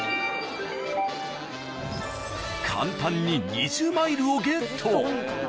［簡単に２０マイルをゲット］